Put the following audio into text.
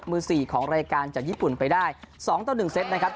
มือสี่ของรายการจากญี่ปุ่นไปได้สองต่อหนึ่งเซ็ตนะครับ